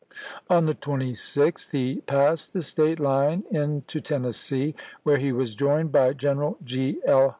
On the 26th he passed the State line into Tennessee, where he was joined by General G. L.